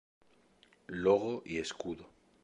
Logo y escudo